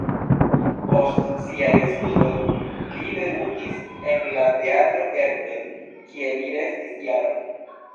Post siaj studoj li debutis en la Teatro Erkel, kie li restis jaron.